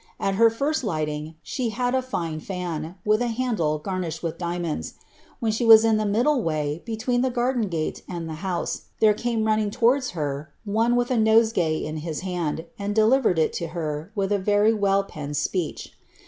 At her first 'lighting, she had a fine fan, with a handle garnished with diamonds. When she was in the middle way, between the garden gate and the house, there came running towards her one with a nosegay in his hand, and delivered it to her, wiili a very well penned speech.